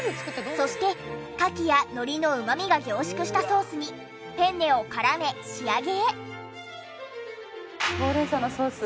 そしてカキやのりのうまみが凝縮したソースにペンネを絡め仕上げへ。